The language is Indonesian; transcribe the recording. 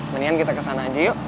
mendingan kita kesana aja yuk